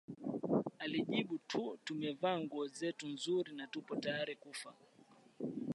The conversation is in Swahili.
alijibu tumevaa nguo zetu nzuri na tupo tayari kufa